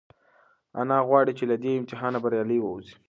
انا غواړي چې له دې امتحانه بریالۍ ووځي.